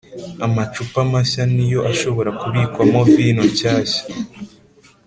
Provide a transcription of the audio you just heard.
amacupa mashya ni yo ashobora kubikwamo vino nshyashya